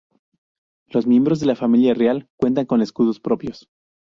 Los miembros de la Familia Real cuentan con escudos propios.